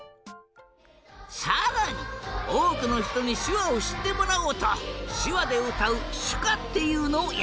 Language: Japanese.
さらにおおくのひとにしゅわをしってもらおうとしゅわでうたうしゅかっていうのをやっているんだ。